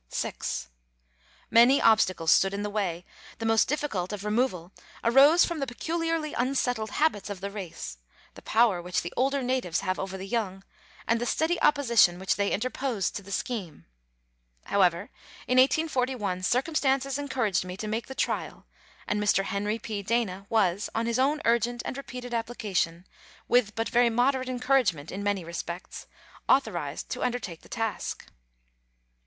Letters from Victorian Pioneers. 267 6. Many obstacles stood in the way ; the most difficult of removal arose from the peculiarly unsettled habits of the race, the power which the older natives have over the young, and the steady opposition which they interposed to the scheme. How ever, in 1841, circumstances encouraged me to make the trial, and Mr. Henry P. Dana was, on his own urgent and repeated application, with but very moderate encouragement in many respects, authorized to undertake the task.